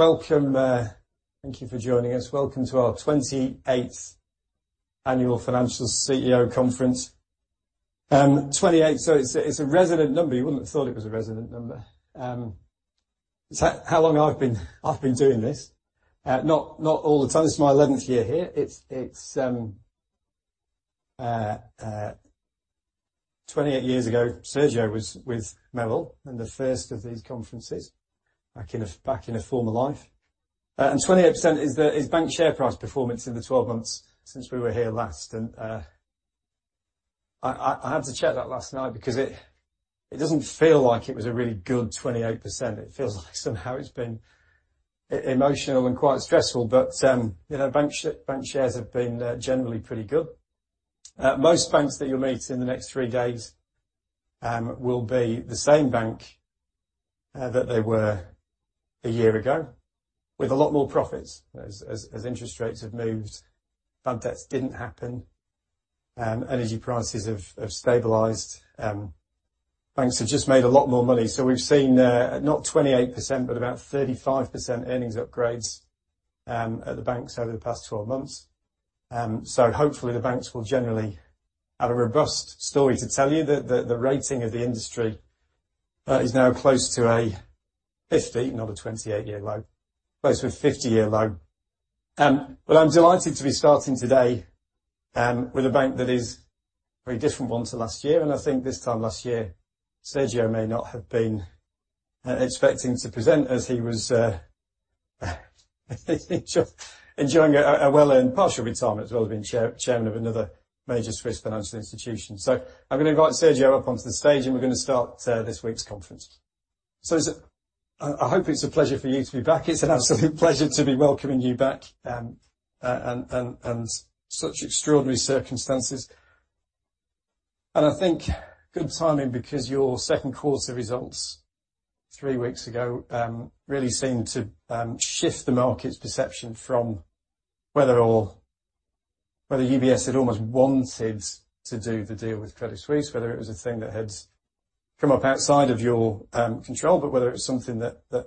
Welcome, thank you for joining us. Welcome to our 28th Annual Financial CEO Conference. 28, so it's, it's a resonant number. You wouldn't have thought it was a resonant number. Is that how long I've been, I've been doing this? Not, not all the time. This is my 11th year here. It's, it's 28 years ago, Sergio was with Merrill in the first of these conferences, back in a, back in a former life. 28% is the, is bank share price performance in the 12 months since we were here last. I had to check that last night because it doesn't feel like it was a really good 28%. It feels like somehow it's been emotional and quite stressful. But, you know, bank shares have been, generally pretty good. Most banks that you'll meet in the next three days will be the same bank that they were a year ago, with a lot more profits. As interest rates have moved, bad debts didn't happen, energy prices have stabilized. Banks have just made a lot more money. So we've seen not 28%, but about 35% earnings upgrades at the banks over the past 12 months. So hopefully the banks will generally have a robust story to tell you. The rating of the industry is now close to a 50, not a 28-year low. Close to a 50-year low. But I'm delighted to be starting today with a bank that is very different one to last year, and I think this time last year, Sergio may not have been expecting to present as he was enjoying a well-earned partial retirement as well as being chairman of another major Swiss financial institution. So I'm going to invite Sergio up onto the stage, and we're going to start this week's conference. So is it... I hope it's a pleasure for you to be back. It's an absolute pleasure to be welcoming you back, and such extraordinary circumstances. I think good timing because your second quarter results three weeks ago really seemed to shift the market's perception from whether UBS had almost wanted to do the deal with Credit Suisse, whether it was a thing that had come up outside of your control, but whether it was something that the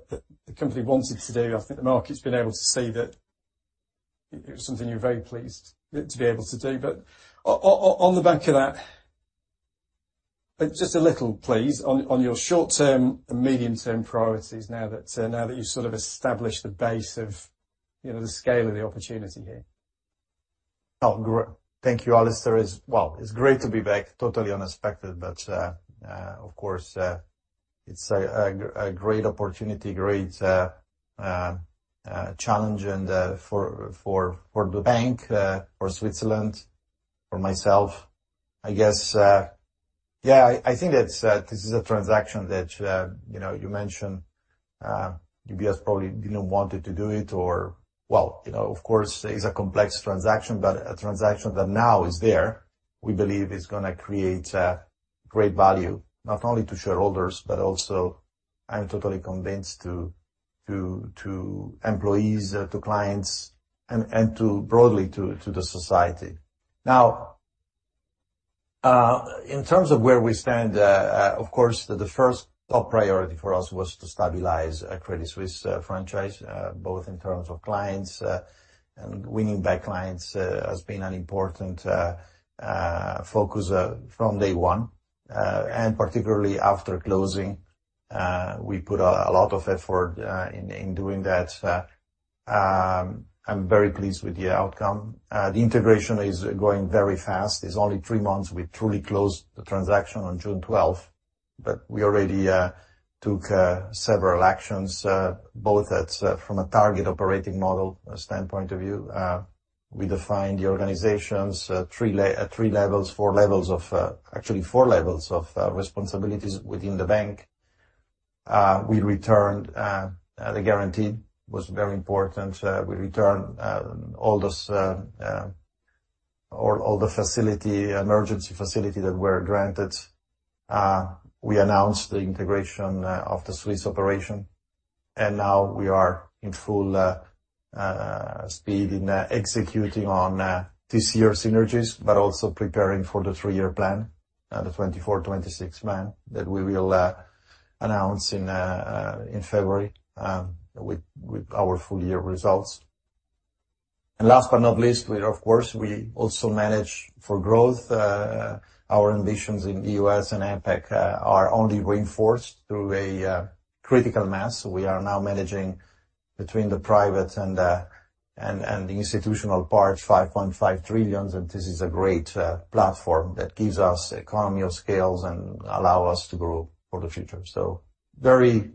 company wanted to do. I think the market's been able to see that it was something you're very pleased to be able to do. On the back of that, just a little, please, on your short-term and medium-term priorities now that you've sort of established the base of, you know, the scale of the opportunity here. Oh, thank you, Alastair. It's, well, it's great to be back, totally unexpected, but, of course, it's a great opportunity, great challenge and for the bank, for Switzerland, for myself. I guess... Yeah, I think that this is a transaction that, you know, you mentioned, UBS probably didn't want to do it or... Well, you know, of course, it's a complex transaction, but a transaction that now is there, we believe is gonna create a great value, not only to shareholders, but also I'm totally convinced to employees, to clients, and broadly to the society. Now, in terms of where we stand, of course, the first top priority for us was to stabilize a Credit Suisse franchise, both in terms of clients, and winning back clients, has been an important focus from day one. Particularly after closing, we put a lot of effort in doing that. I'm very pleased with the outcome. The integration is going very fast. It's only three months. We truly closed the transaction on June 12th, but we already took several actions, both at from a target operating model standpoint of view. We defined the organization's three levels, four levels of, actually four levels of responsibilities within the bank. We returned the guarantee. Was very important. We returned all those emergency facilities that were granted. We announced the integration of the Swiss operation, and now we are in full speed executing on this year's synergies, but also preparing for the three-year plan, the 2024-2026 plan, that we will announce in February with our full-year results. And last but not least, we of course also manage for growth. Our ambitions in the U.S. and APAC are only reinforced through a critical mass. We are now managing between the private and the institutional parts $5.5 trillion, and this is a great platform that gives us economies of scales and allows us to grow for the future. So very,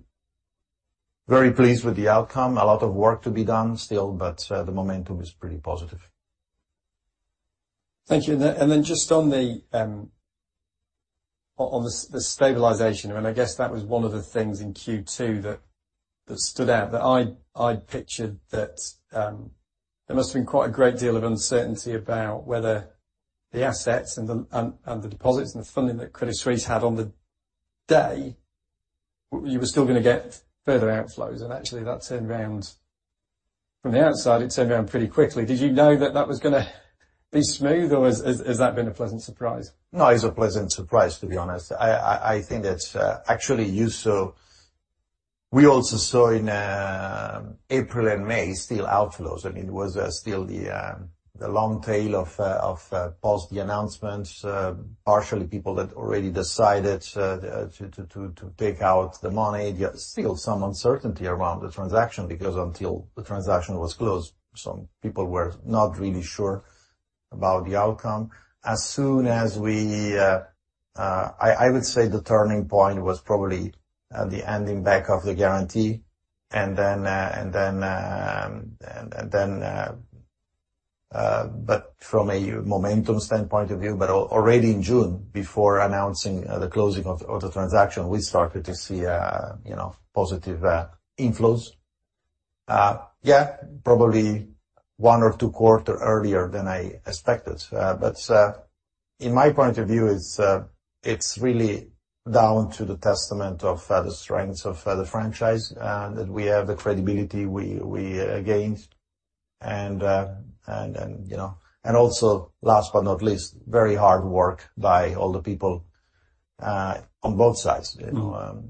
very pleased with the outcome. A lot of work to be done still, but, the momentum is pretty positive. Thank you. And then just on the stabilization, and I guess that was one of the things in Q2 that stood out, that I'd pictured that there must have been quite a great deal of uncertainty about whether the assets and the deposits and the funding that Credit Suisse had on the day, you were still gonna get further outflows, and actually that turned round. From the outside, it turned around pretty quickly. Did you know that that was going to be smooth, or has that been a pleasant surprise? No, it's a pleasant surprise, to be honest. I think that, actually, you saw we also saw in April and May, still outflows, I mean, it was still the long tail of post the announcements, partially people that already decided to take out the money, yet still some uncertainty around the transaction, because until the transaction was closed, some people were not really sure about the outcome. As soon as we, I would say the turning point was probably the handing back of the guarantee, and then, and then, but from a momentum standpoint of view, but already in June, before announcing the closing of the transaction, we started to see a, you know, positive inflows. Yeah, probably one or two quarters earlier than I expected. But, in my point of view, it's really down to the testament of the strengths of the franchise, and that we have the credibility we gained. And, you know, and also, last but not least, very hard work by all the people on both sides, you know,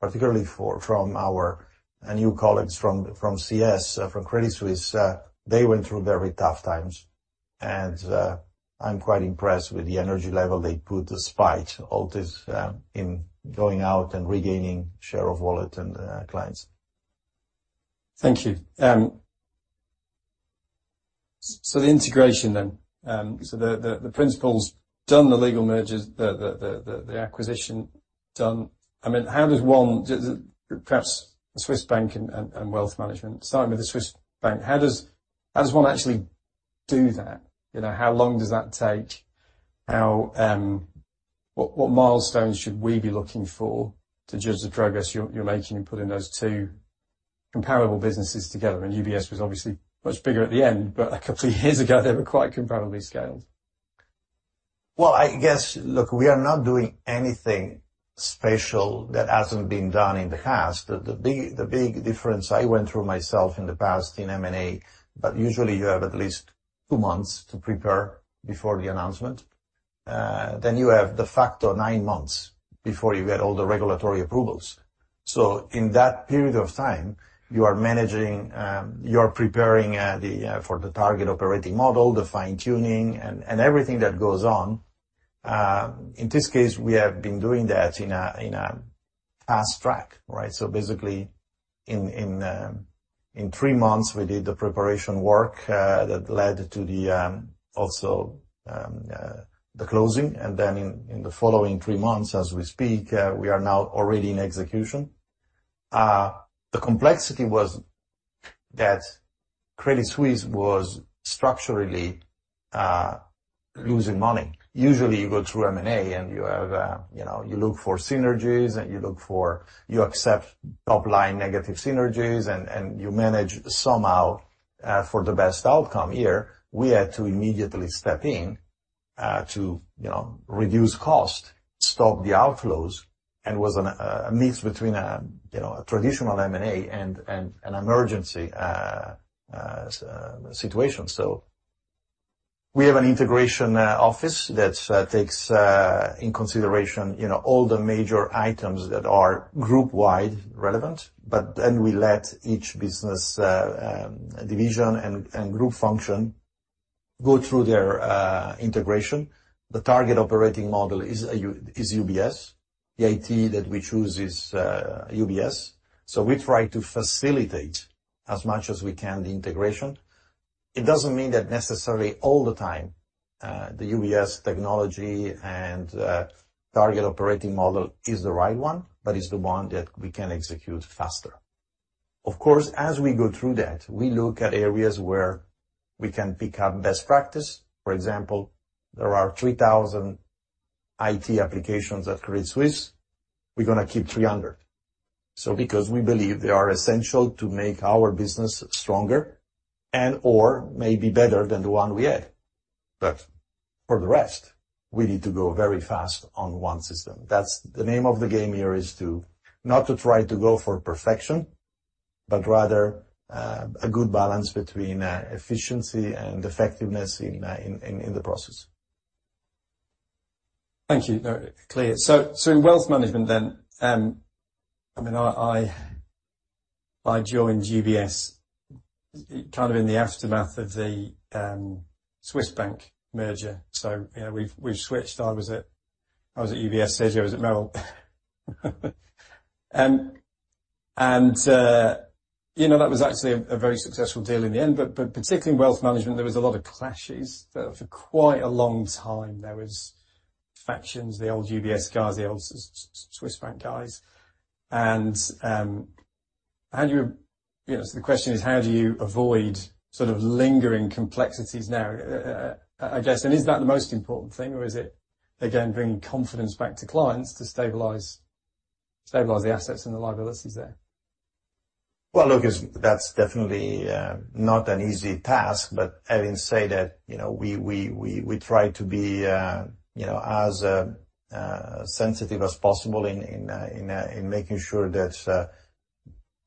particularly from our new colleagues from CS, from Credit Suisse. They went through very tough times, and I'm quite impressed with the energy level they put despite all this, in going out and regaining share of wallet and clients. Thank you. The integration then, the principle's done, the legal mergers, the acquisition done. I mean, how does one... Perhaps Swiss Bank and Wealth Management. Starting with the Swiss Bank, how does one actually do that? You know, how long does that take? What milestones should we be looking for to judge the progress you're making in putting those two comparable businesses together? UBS was obviously much bigger at the end, but a couple of years ago they were quite comparably scaled. Well, I guess... Look, we are not doing anything special that hasn't been done in the past. The big difference, I went through myself in the past in M&A, but usually you have at least two months to prepare before the announcement. Then you have de facto nine months before you get all the regulatory approvals. So in that period of time, you are managing, you are preparing for the target operating model, the fine-tuning, and everything that goes on. In this case, we have been doing that in a fast track, right? So basically, in three months, we did the preparation work that led to the also the closing, and then in the following three months, as we speak, we are now already in execution. The complexity was that Credit Suisse was structurally losing money. Usually, you go through M&A and you have, you know, you look for synergies, and you look for- you accept top-line negative synergies, and, and you manage somehow, for the best outcome. Here, we had to immediately step in, to, you know, reduce cost, stop the outflows, and was an a mix between a, you know, a traditional M&A and, and an emergency, situation. So we have an integration office that takes in consideration, you know, all the major items that are group-wide relevant, but then we let each business division and, and group function go through their integration. The target operating model is U- is UBS. The IT that we choose is UBS. So we try to facilitate as much as we can, the integration. It doesn't mean that necessarily all the time, the UBS technology and target operating model is the right one, but it's the one that we can execute faster. Of course, as we go through that, we look at areas where we can pick up best practice. For example, there are 3,000 IT applications at Credit Suisse. We're gonna keep 300. So because we believe they are essential to make our business stronger and, or maybe better than the one we had. But for the rest, we need to go very fast on one system. That's the name of the game here, is to not to try to go for perfection, but rather a good balance between efficiency and effectiveness in the process. Thank you. No, clear. So in wealth management then, I mean, I joined UBS kind of in the aftermath of the Swiss Bank merger. So, you know, we've switched. I was at UBS, Sergio was at Merrill. And, you know, that was actually a very successful deal in the end, but particularly in wealth management, there was a lot of clashes. For quite a long time, there was factions, the old UBS guys, the old Swiss Bank guys. And, how do you... You know, so the question is, how do you avoid sort of lingering complexities now, I guess, and is that the most important thing, or is it, again, bringing confidence back to clients to stabilize the assets and the liabilities there? Well, look, it's... That's definitely not an easy task, but having said that, you know, we try to be, you know, as sensitive as possible in making sure that...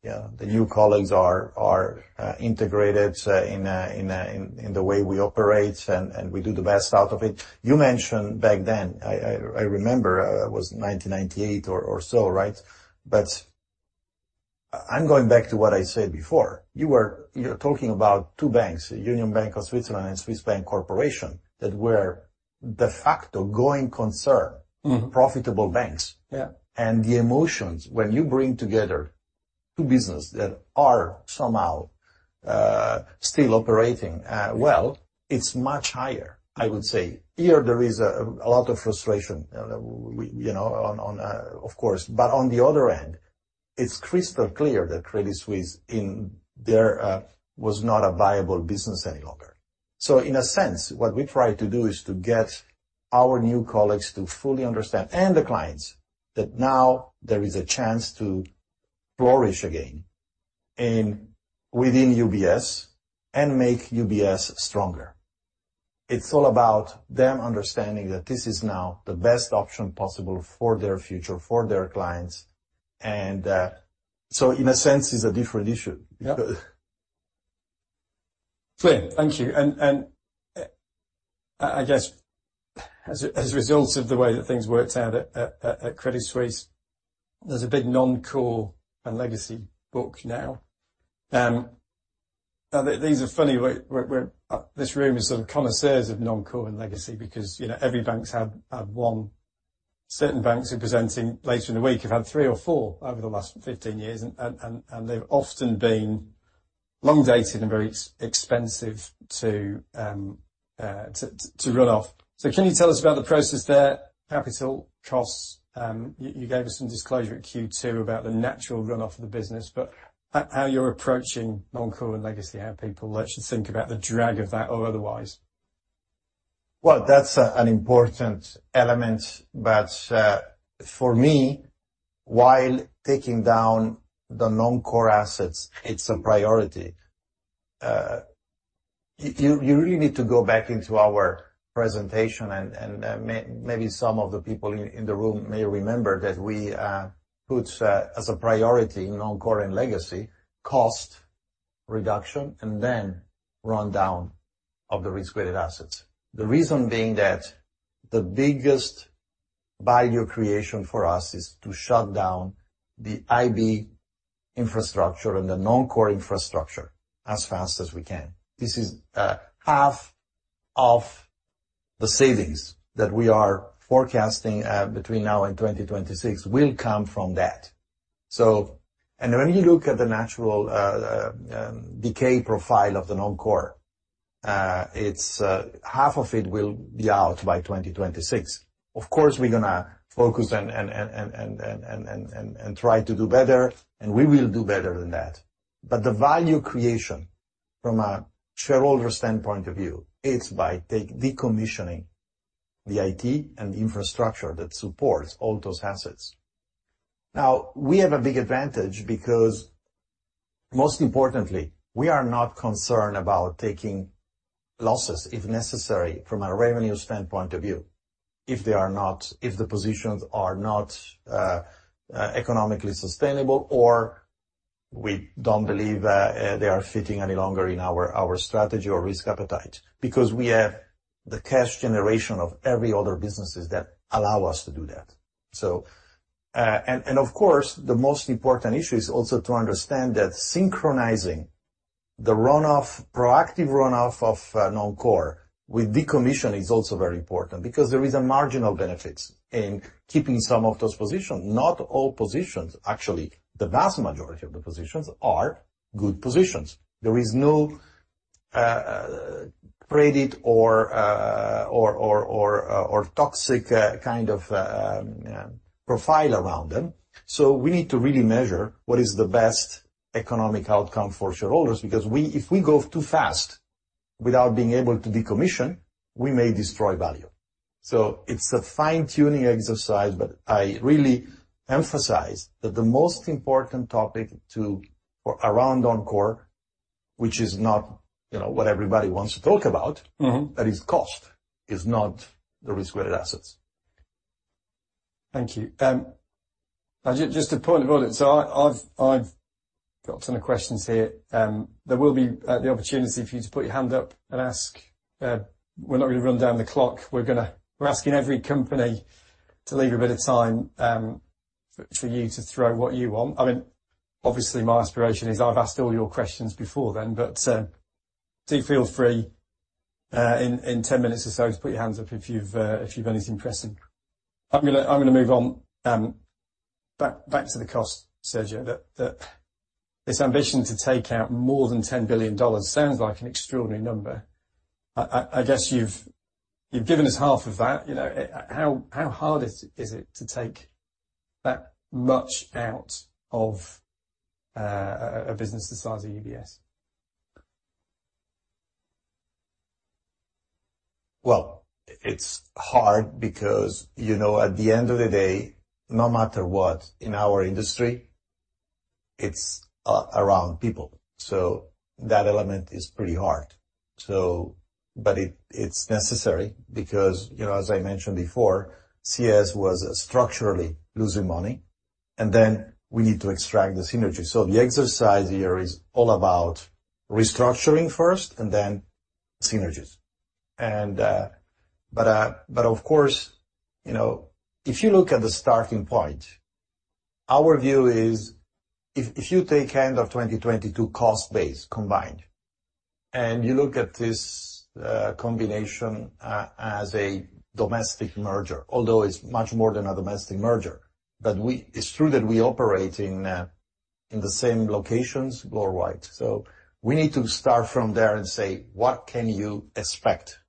Yeah, the new colleagues are integrated in the way we operate, and we do the best out of it. You mentioned back then, I remember, it was 1998 or so, right? But I'm going back to what I said before. You're talking about two banks, Union Bank of Switzerland and Swiss Bank Corporation, that were de facto going concern. Mm-hmm. Profitable banks. Yeah. The emotions when you bring together two business that are somehow still operating well, it's much higher, I would say. Here there is a lot of frustration, we you know on, on. Of course. But on the other hand, it's crystal clear that Credit Suisse in there was not a viable business any longer. So in a sense, what we try to do is to get our new colleagues to fully understand, and the clients, that now there is a chance to flourish again in within UBS and make UBS stronger. It's all about them understanding that this is now the best option possible for their future, for their clients, and so in a sense, it's a different issue. Yeah. Clear. Thank you. And I guess, as a result of the way that things worked out at Credit Suisse, there's a big Non-core and Legacy book now. Now, these are funny, we're this room is sort of connoisseurs of Non-core and Legacy because, you know, every banks have one. Certain banks who are presenting later in the week have had three or four over the last 15 years, and they've often been long dated and very expensive to run off. So can you tell us about the process there, capital costs? You gave us some disclosure at Q2 about the natural runoff of the business, but how you're approaching Non-core and Legacy, how people should think about the drag of that or otherwise? Well, that's an important element, but for me, while taking down the Non-core assets, it's a priority. You really need to go back into our presentation, and maybe some of the people in the room may remember that we put as a priority in Non-core and Legacy, cost reduction, and then rundown of the risk-weighted assets. The reason being that the biggest value creation for us is to shut down the IB infrastructure and the Non-core infrastructure as fast as we can. This is half of the savings that we are forecasting between now and 2026 will come from that. When you look at the natural decay profile of the Non-core, half of it will be out by 2026. Of course, we're gonna focus and try to do better, and we will do better than that. But the value creation from a shareholder standpoint of view, it's by taking decommissioning the IT and the infrastructure that supports all those assets. Now, we have a big advantage because most importantly, we are not concerned about taking losses, if necessary, from a revenue standpoint of view, if the positions are not economically sustainable or we don't believe they are fitting any longer in our strategy or risk appetite, because we have the cash generation of every other businesses that allow us to do that. So, of course, the most important issue is also to understand that synchronizing the runoff, proactive runoff of Non-core with decommission is also very important because there is a marginal benefits in keeping some of those positions. Not all positions, actually, the vast majority of the positions are good positions. There is no credit or toxic kind of profile around them. So we need to really measure what is the best economic outcome for shareholders, because if we go too fast without being able to decommission, we may destroy value. So it's a fine-tuning exercise, but I really emphasize that the most important topic to... Around Non-core, which is not, you know, what everybody wants to talk about- Mm-hmm. That is cost, is not the risk-weighted assets. Thank you. Now just a point about it. So I've got a ton of questions here. There will be the opportunity for you to put your hand up and ask. We're not going to run down the clock. We're gonna ask every company to leave a bit of time, for you to throw what you want. I mean, obviously, my aspiration is I've asked all your questions before then, but do feel free, in 10 minutes or so to put your hands up if you've anything pressing. I'm gonna move on, back to the cost, Sergio, that this ambition to take out more than $10 billion sounds like an extraordinary number. I guess you've given us half of that. You know, how hard is it to take that much out of a business the size of UBS? Well, it's hard because, you know, at the end of the day, no matter what, in our industry, it's around people, so that element is pretty hard. But it's necessary because, you know, as I mentioned before, CS was structurally losing money, and then we need to extract the synergy. So the exercise here is all about restructuring first, and then synergies. But of course, you know, if you look at the starting point, our view is if you take end of 2022 cost base combined, and you look at this combination as a domestic merger, although it's much more than a domestic merger, but it's true that we operate in the same locations worldwide. So we need to start from there and say: What can you expect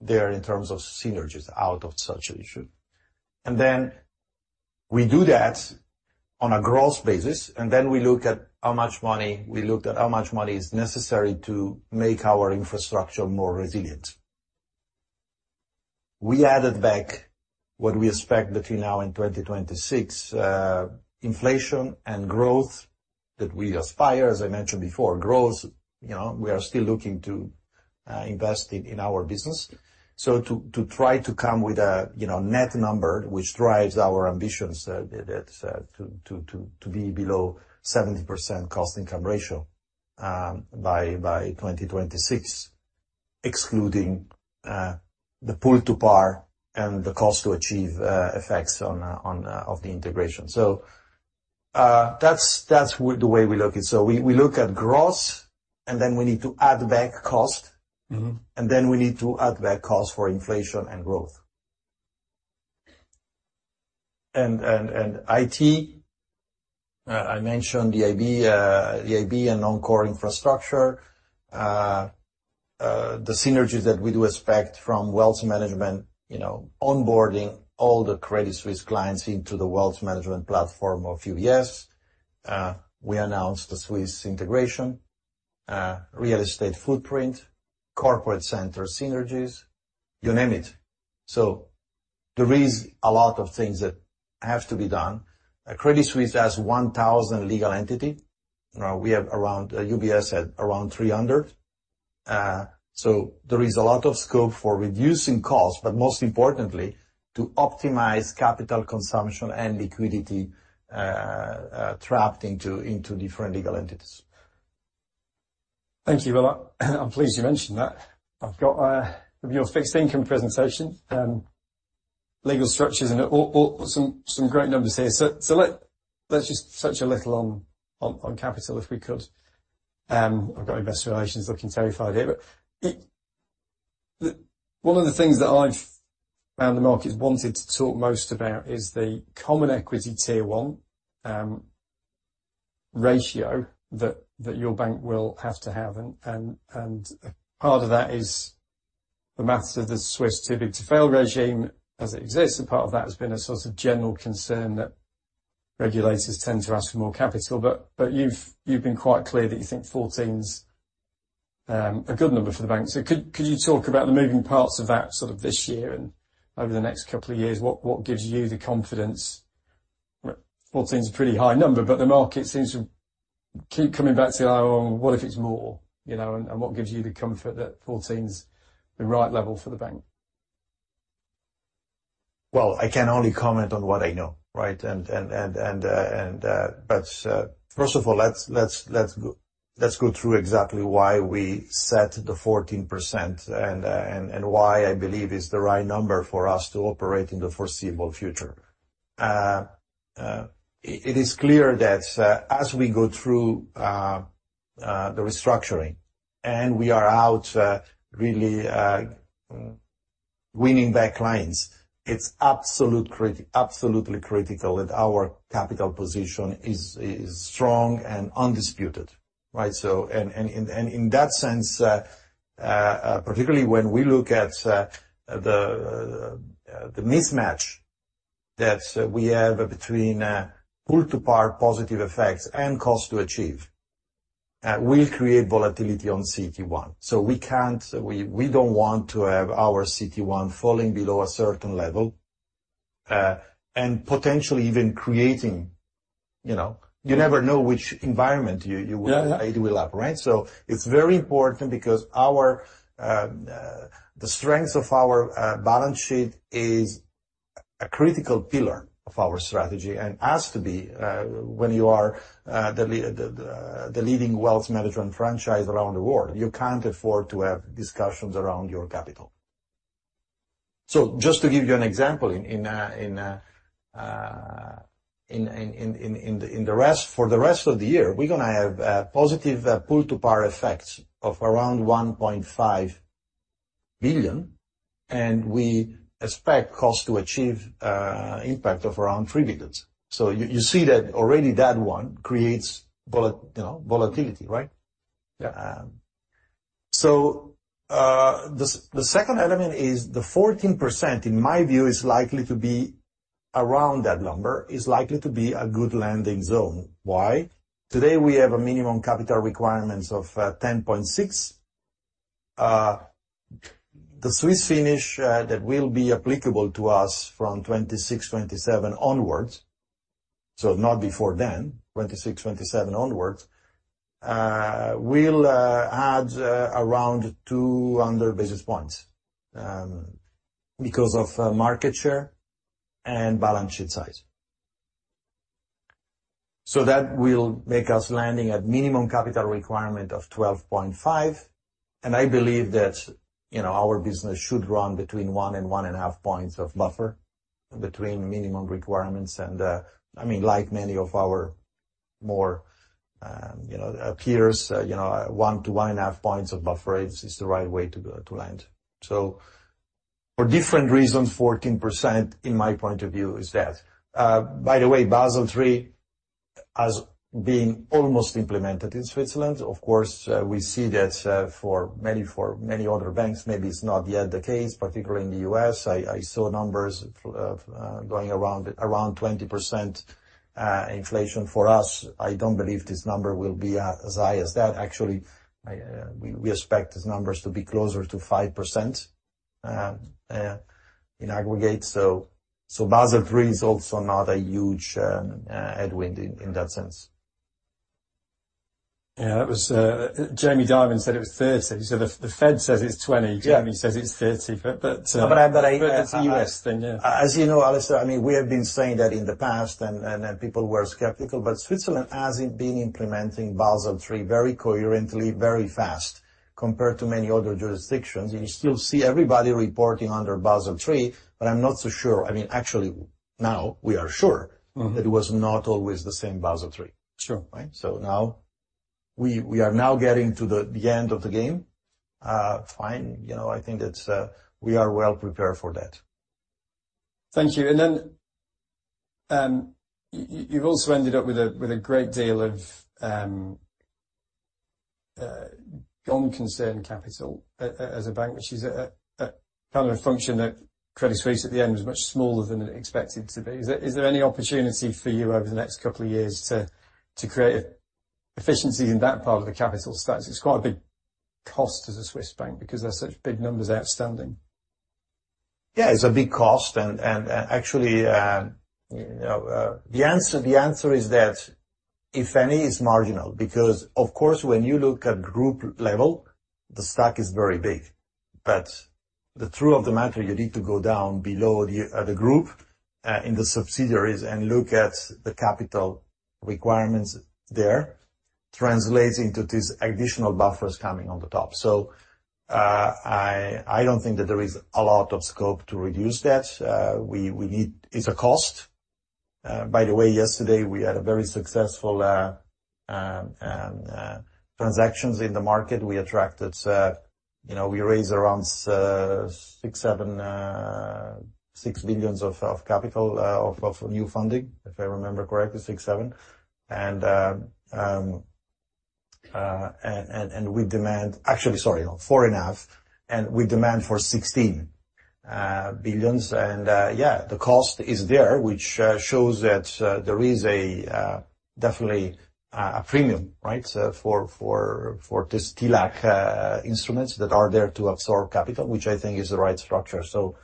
there in terms of synergies out of such an issue? And then we do that on a gross basis, and then we look at how much money we looked at how much money is necessary to make our infrastructure more resilient. We added back what we expect between now and 2026, inflation and growth that we aspire, as I mentioned before, growth, you know, we are still looking to invest in our business. So to try to come with a, you know, net number, which drives our ambitions, that to be below 70% cost-to-income ratio, by 2026, excluding the pull-to-par and the cost-to-achieve effects of the integration. So, that's the way we look at it. So we look at gross, and then we need to add back cost. Mm-hmm. And then we need to add back cost for inflation and growth. And IT, I mentioned the IB, the IB and Non-core infrastructure. The synergies that we do expect from wealth management, you know, onboarding all the Credit Suisse clients into the wealth management platform of UBS. We announced the Swiss integration, real estate footprint, corporate center synergies, you name it. So there is a lot of things that have to be done. Credit Suisse has 1,000 legal entity. We have around, UBS had around 300. So there is a lot of scope for reducing costs, but most importantly, to optimize capital consumption and liquidity, trapped into, into different legal entities. Thank you a lot. I'm pleased you mentioned that. I've got your fixed income presentation, legal structures and all, all, some, some great numbers here. Let, let's just touch a little on, on, on capital, if we could. I've got investor relations looking terrified here, but it- the... One of the things that I've found the markets wanted to talk most about is the Common Equity Tier 1 ratio that, that your bank will have to have, and part of that is the matters of the Swiss Too Big to Fail regime as it exists, and part of that has been a sort of general concern that regulators tend to ask for more capital, but you've, you've been quite clear that you think 14%'s a good number for the bank. Could you talk about the moving parts of that sort of this year and over the next couple of years? What gives you the confidence? 14% is a pretty high number, but the market seems to keep coming back to, "Oh, what if it's more?" You know, and what gives you the comfort that 14% is the right level for the bank? Well, I can only comment on what I know, right? But first of all, let's go through exactly why we set the 14%, and why I believe it's the right number for us to operate in the foreseeable future. It is clear that, as we go through the restructuring, and we are out really winning back clients, it's absolutely critical that our capital position is strong and undisputed, right? So... And in that sense, particularly when we look at the mismatch that we have between pull-to-par positive effects and cost-to-achieve, will create volatility on CET1. We can't, we don't want to have our CET1 falling below a certain level, and potentially even creating, you know—you never know which environment you, you— Yeah, yeah. It will have, right? So it's very important because our the strengths of our balance sheet is a critical pillar of our strategy, and has to be when you are the leading wealth management franchise around the world. You can't afford to have discussions around your capital. So just to give you an example, in the rest of the year, we're gonna have positive pull-to-par effects of around $1.5 billion, and we expect cost-to-achieve impact of around $3 billion. So you see that already that one creates volatility, you know, right? Yeah. So, the second element is the 14%, in my view, is likely to be around that number, is likely to be a good landing zone. Why? Today, we have a minimum capital requirements of 10.6%. The Swiss Finish that will be applicable to us from 2026, 2027 onwards. So not before then, 2026, 2027 onwards, we'll add around 200 basis points, because of market share and balance sheet size. So that will make us landing at minimum capital requirement of 12.5%, and I believe that, you know, our business should run between 1 and 1.5 points of buffer between minimum requirements and, I mean, like many of our more, you know, peers, you know, 1 to 1.5 points of buffer is, is the right way to, to land. So for different reasons, 14% in my point of view, is that. By the way, Basel III as being almost implemented in Switzerland, of course, we see that, for many, for many other banks, maybe it's not yet the case, particularly in the U.S. I, I saw numbers of, going around, around 20%, inflation. For us, I don't believe this number will be as, as high as that. Actually, we expect these numbers to be closer to 5% in aggregate. So, Basel III is also not a huge headwind in that sense. Yeah, that was, Jamie Dimon said it was 30%. So the Fed says it's 20%- Yeah. -Jamie says it's 30, but- But I It's U.S., then, yeah. As you know, Alastair, I mean, we have been saying that in the past, and people were skeptical. But Switzerland has been implementing Basel III very coherently, very fast, compared to many other jurisdictions. You still see everybody reporting under Basel III, but I'm not so sure... I mean, actually, now we are sure- Mm-hmm. That it was not always the same Basel III. Sure. Right? So now, we are now getting to the end of the game. Fine, you know, I think that we are well prepared for that. Thank you. And then, you've also ended up with a, with a great deal of, gone-concern capital as a bank, which is a, a kind of a function that Credit Suisse at the end, was much smaller than it expected to be. Is there, is there any opportunity for you over the next couple of years to, to create efficiency in that part of the capital stack? It's quite a big cost as a Swiss bank because there's such big numbers outstanding. Yeah, it's a big cost, and actually, you know, the answer is that if any, it's marginal. Because, of course, when you look at group level, the stack is very big. The truth of the matter, you need to go down below the group, in the subsidiaries and look at the capital requirements there, translating to these additional buffers coming on the top. I don't think that there is a lot of scope to reduce that. We need... It's a cost. By the way, yesterday we had a very successful, you know, transactions in the market. We attracted, you know, we raised around $6 billion-$7 billion of capital, of new funding, if I remember correctly, $6 billion-$7 billion. Actually, sorry, $4.5 billion, and we demand for $16 billion. Yeah, the cost is there, which shows that there is definitely a premium, right? So for this TLAC instruments that are there to absorb capital, which I think is the right structure. You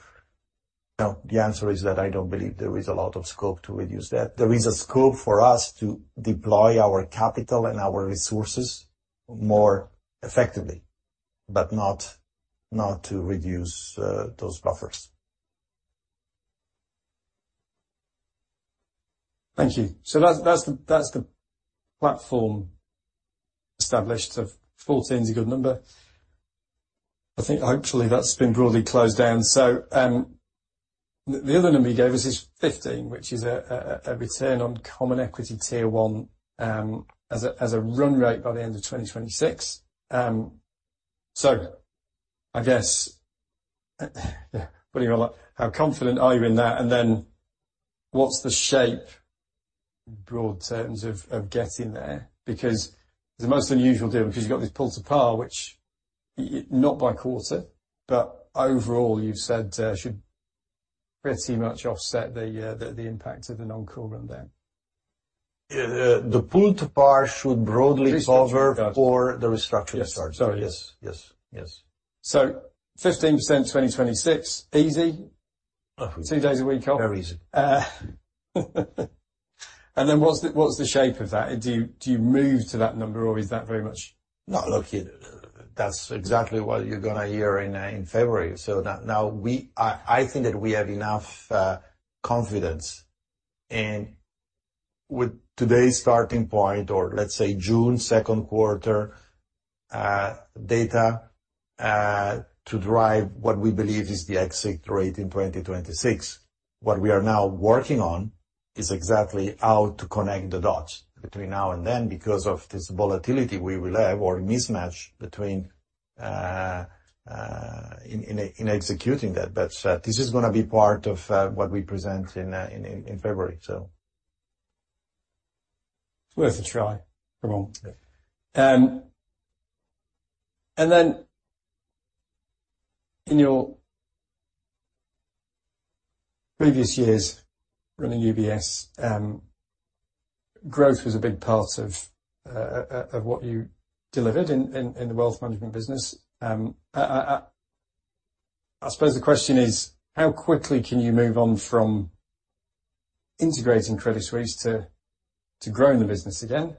know, the answer is that I don't believe there is a lot of scope to reduce that. There is a scope for us to deploy our capital and our resources more effectively, but not to reduce those buffers. Thank you. So that's the platform established of 14 is a good number. I think hopefully that's been broadly closed down. So the other number you gave us is 15, which is a return on Common Equity Tier 1 as a run rate by the end of 2026. So I guess, yeah, putting on, how confident are you in that? And then what's the shape, broad terms of getting there? Because it's the most unusual deal, because you've got this pull-to-par, which not by quarter, but overall, you've said should pretty much offset the impact of the Non-core run down. Yeah. The pull-to-par should broadly cover- Restructuring costs. for the restructuring charges. Yes. Yes, yes. 15%, 2026, easy? Oh. Two days a week off. Very easy. And then what's the, what's the shape of that? Do you, do you move to that number, or is that very much- Not lucky. That's exactly what you're gonna hear in February. So now, we think that we have enough confidence and with today's starting point, or let's say, June second quarter data, to drive what we believe is the exit rate in 2026. What we are now working on is exactly how to connect the dots between now and then, because of this volatility we will have or mismatch between in executing that. But this is gonna be part of what we present in February, so. It's worth a try. Come on. Yeah. And then, in your previous years running UBS, growth was a big part of what you delivered in the wealth management business. I suppose the question is, how quickly can you move on from integrating Credit Suisse to growing the business again?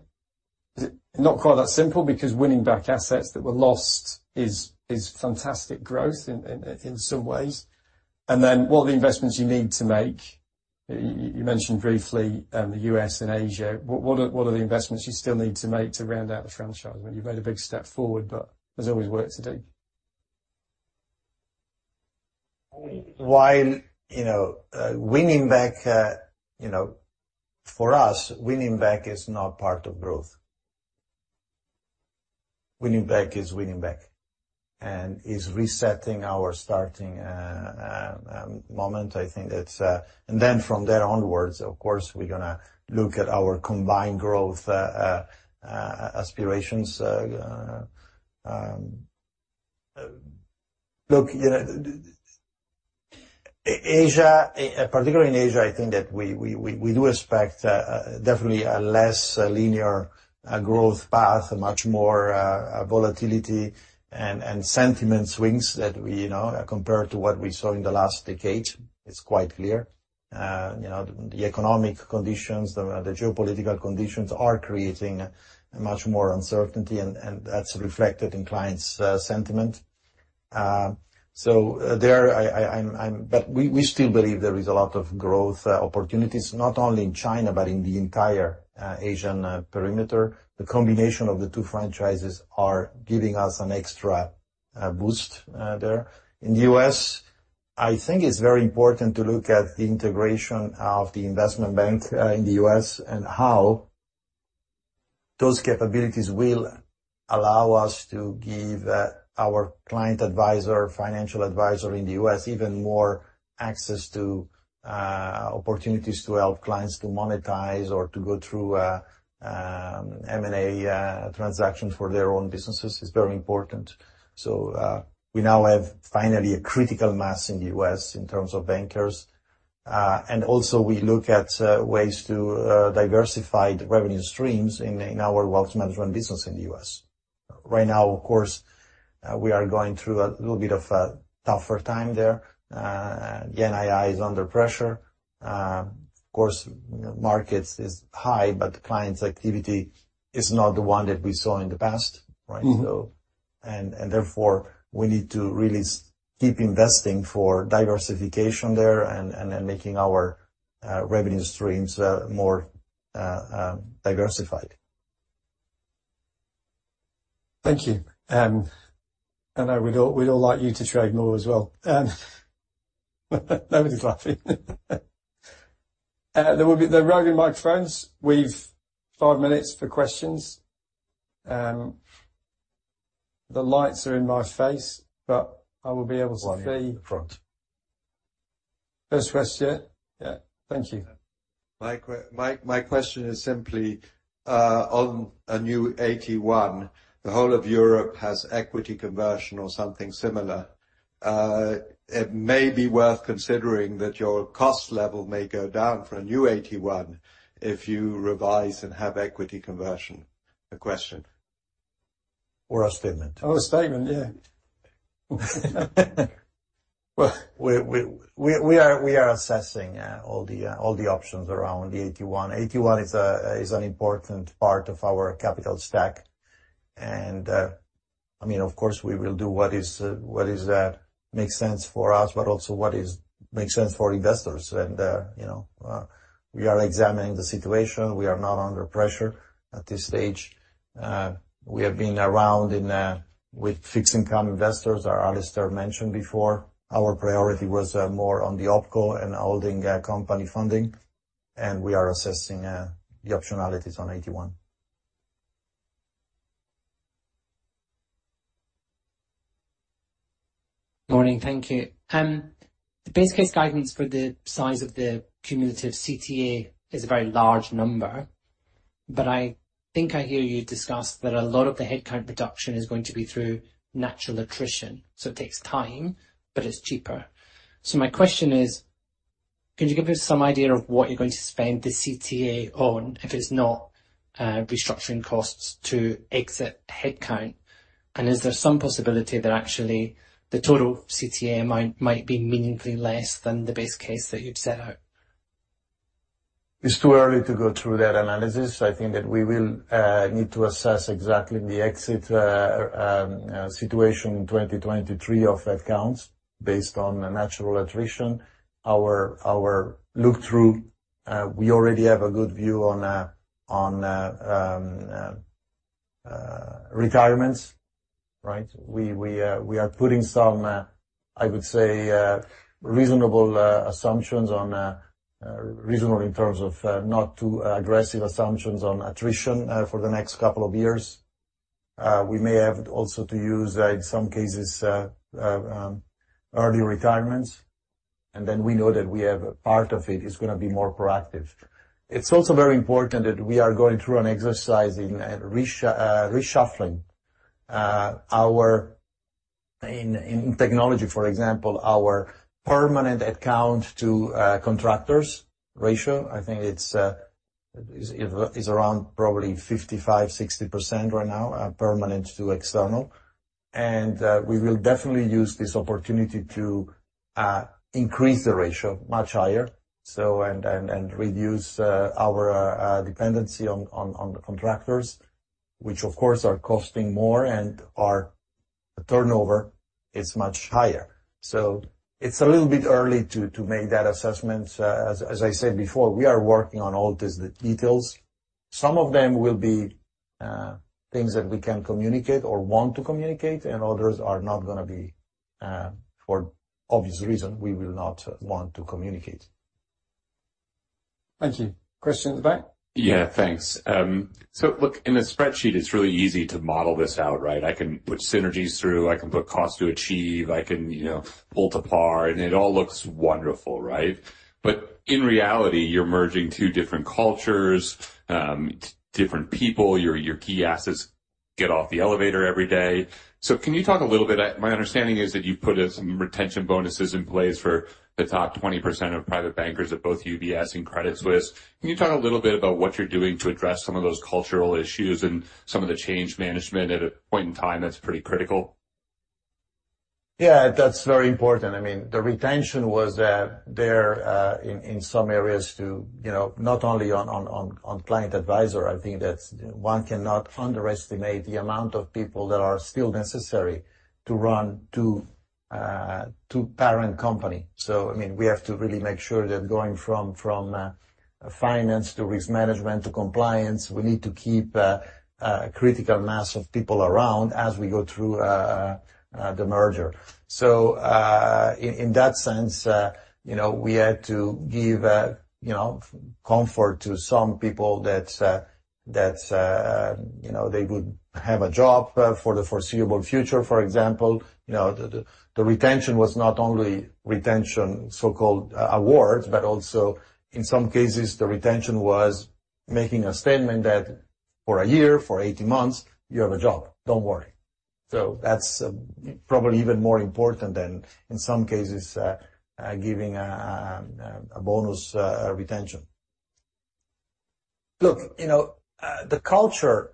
Is it not quite that simple, because winning back assets that were lost is fantastic growth in some ways? And then, what are the investments you need to make? You mentioned briefly the U.S. and Asia. What are the investments you still need to make to round out the franchise? I mean, you've made a big step forward, but there's always work to do. While, you know, winning back, you know, for us, winning back is not part of growth. Winning back is winning back, and is resetting our starting moment. I think that's... And then from there onwards, of course, we're gonna look at our combined growth aspirations. Look, you know, Asia, particularly in Asia, I think that we do expect definitely a less linear growth path, a much more volatility and sentiment swings that we know, compared to what we saw in the last decade. It's quite clear. You know, the economic conditions, the geopolitical conditions are creating much more uncertainty, and that's reflected in clients' sentiment. So, but we still believe there is a lot of growth opportunities, not only in China, but in the entire Asian perimeter. The combination of the two franchises are giving us an extra boost there. In the U.S., I think it's very important to look at the integration of the investment bank in the U.S., and how those capabilities will allow us to give our client advisor, financial advisor in the U.S., even more access to opportunities to help clients to monetize or to go through M&A transactions for their own businesses. It's very important. So, we now have finally a critical mass in the U.S. in terms of bankers. And also we look at ways to diversify the revenue streams in our wealth management business in the U.S. Right now, of course, we are going through a little bit of a tougher time there. The NII is under pressure. Of course, markets is high, but the clients' activity is not the one that we saw in the past, right? Mm-hmm. So, therefore, we need to really keep investing for diversification there and making our revenue streams more diversified. Thank you. I know we'd all, we'd all like you to trade more as well. Nobody's laughing. There will be the roving microphones. We have five minutes for questions. The lights are in my face, but I will be able to see- One in the front. First question. Yeah, thank you. My question is simply, on a new AT1, the whole of Europe has equity conversion or something similar. It may be worth considering that your cost level may go down for a new AT1 if you revise and have equity conversion. A question. Or a statement. Oh, a statement, yeah. Well, we are assessing all the options around the AT1. AT1 is an important part of our capital stack, and I mean, of course, we will do what makes sense for us, but also what makes sense for investors. You know, we are examining the situation. We are not under pressure at this stage. We have been around with fixed income investors, as Alastair mentioned before. Our priority was more on the OpCo and holding company funding, and we are assessing the optionalities on AT1. Morning. Thank you. The base case guidance for the size of the cumulative CTA is a very large number, but I think I hear you discuss that a lot of the headcount reduction is going to be through natural attrition, so it takes time, but it's cheaper. So my question is: could you give us some idea of what you're going to spend the CTA on, if it's not restructuring costs to exit headcount? And is there some possibility that actually the total CTA might, might be meaningfully less than the base case that you've set out? It's too early to go through that analysis. I think that we will need to assess exactly the exit situation in 2023 of headcounts, based on the natural attrition. Our look through, we already have a good view on retirements, right? We are putting some, I would say, reasonable assumptions on, reasonable in terms of, not too aggressive assumptions on attrition, for the next couple of years. We may have also to use, in some cases, early retirements, and then we know that we have a part of it is gonna be more proactive. It's also very important that we are going through an exercise in reshuffling our. In technology, for example, our permanent headcount to contractors ratio. I think it's. It is around probably 55%-60% right now, permanent to external. And we will definitely use this opportunity to increase the ratio much higher, so and reduce our dependency on the contractors, which of course are costing more, and our turnover is much higher. So it's a little bit early to make that assessment. As I said before, we are working on all these details. Some of them will be things that we can communicate or want to communicate, and others are not gonna be, for obvious reasons, we will not want to communicate. Thank you. Christian at the back? Yeah, thanks. So look, in a spreadsheet, it's really easy to model this out, right? I can put synergies through, I can put cost-to-achieve, I can, you know, pull to par, and it all looks wonderful, right? But in reality, you're merging two different cultures, different people. Your, your key assets get off the elevator every day. So can you talk a little bit. My understanding is that you've put some retention bonuses in place for the top 20% of private bankers at both UBS and Credit Suisse. Can you talk a little bit about what you're doing to address some of those cultural issues and some of the change management at a point in time that's pretty critical? Yeah, that's very important. I mean, the retention was there in some areas to, you know, not only on client advisor. I think that one cannot underestimate the amount of people that are still necessary to run two parent companies. So, I mean, we have to really make sure that going from finance to risk management, to compliance, we need to keep a critical mass of people around as we go through the merger. So, in that sense, you know, we had to give, you know, comfort to some people that, you know, they would have a job for the foreseeable future. For example, you know, the retention was not only retention so-called awards but also in some cases, the retention was making a statement that for a year, for 18 months, you have a job, don't worry. So that's probably even more important than in some cases giving a bonus retention. Look, you know, the culture,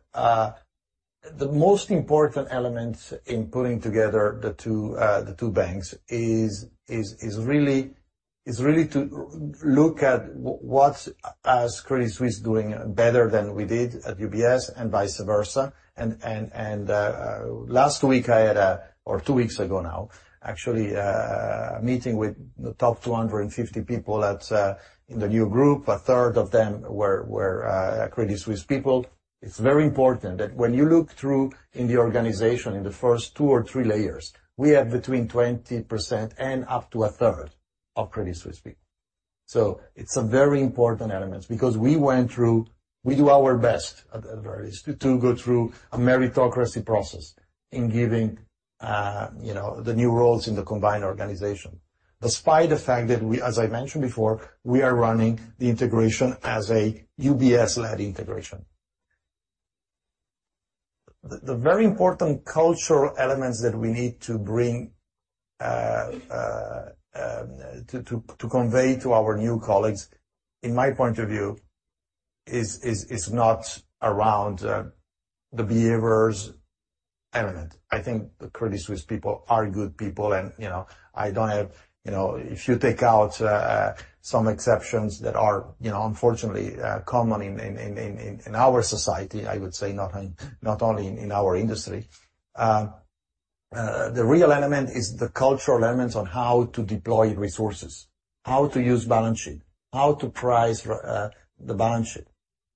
the most important element in pulling together the two banks is really to look at what Credit Suisse is doing better than we did at UBS and vice versa. And last week, I had a... Or two weeks ago now, actually, a meeting with the top 250 people in the new group. A third of them were Credit Suisse people. It's very important that when you look through in the organization, in the first two or three layers, we have between 20% and up to a third of Credit Suisse people. So it's a very important element, because we do our best, at the very least, to go through a meritocracy process in giving, you know, the new roles in the combined organization. Despite the fact that we, as I mentioned before, we are running the integration as a UBS-led integration. The very important cultural elements that we need to bring to convey to our new colleagues, in my point of view, is not around the behavioral element. I think the Credit Suisse people are good people, and, you know, I don't have, you know, if you take out some exceptions that are, you know, unfortunately common in our society, I would say not only in our industry. The real element is the cultural elements on how to deploy resources, how to use balance sheet, how to price the balance sheet,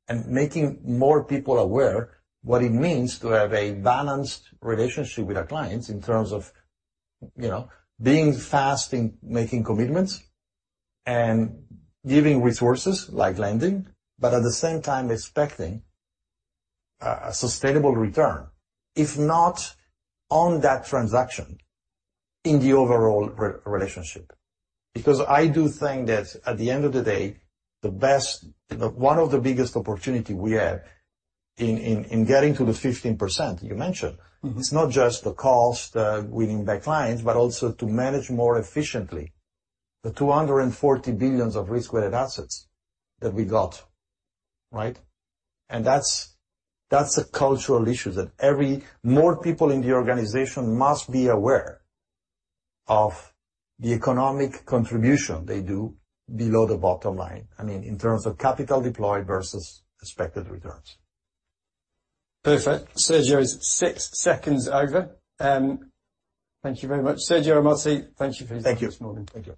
and making more people aware what it means to have a balanced relationship with our clients in terms of, you know, being fast in making commitments and giving resources like lending, but at the same time expecting a sustainable return, if not on that transaction, in the overall relationship. Because I do think that at the end of the day, the best, one of the biggest opportunities we have in getting to the 15% you mentioned- Mm-hmm. It's not just the cost, winning back clients, but also to manage more efficiently the $240 billion of risk-weighted assets that we got, right? And that's a cultural issue that more people in the organization must be aware of the economic contribution they do below the bottom line. I mean, in terms of capital deployed versus expected returns. Perfect. Sergio is six seconds over. Thank you very much. Sergio Ermotti, thank you for this- Thank you. this morning. Thank you.